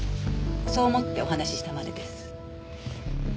そう思ってお話ししたまでです。